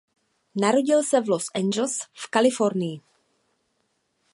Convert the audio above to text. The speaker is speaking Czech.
Narodil se v Los Angeles v Kalifornii.